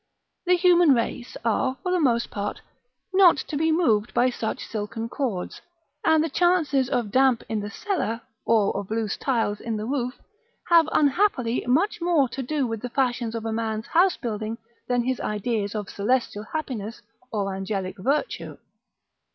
The human race are, for the most part, not to be moved by such silken cords; and the chances of damp in the cellar, or of loose tiles in the roof, have, unhappily, much more to do with the fashions of a man's house building than his ideas of celestial happiness or angelic virtue.